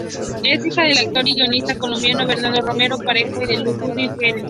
Es hija del actor y guionista colombiano Bernardo Romero Pereiro y de Judy Henríquez.